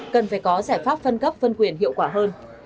cần phải có giải pháp phân cấp phân quyền hiệu quả hơn